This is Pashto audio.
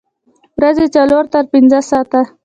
ورځې څلور تر پنځه ساعته